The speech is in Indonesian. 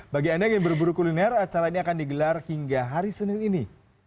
bagi anda yang berburu kuliner acara ini akan digelar hingga hari senin ini